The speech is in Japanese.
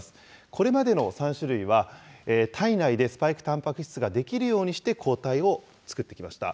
これまでの３種類は、体内でスパイクたんぱく質が出来るようにして抗体を作ってきました。